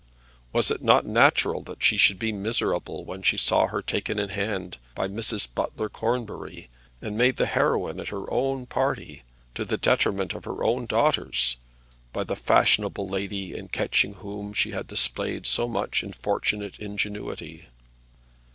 Was it not natural that she should be miserable when she saw her taken in hand by Mrs. Butler Cornbury, and made the heroine at her own party, to the detriment of her own daughters, by the fashionable lady in catching whom she had displayed so much unfortunate ingenuity?